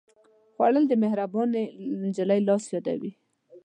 خوړل د مهربانې نجلۍ لاس یادوي